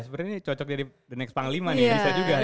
sepertinya ini cocok dari the next panglima nih bisa juga